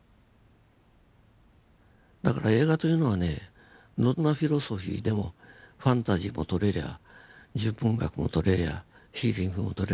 だから映画というのはねどんなフィロソフィーでもファンタジーも撮れりゃ純文学も撮れりゃ悲劇も撮れるんです。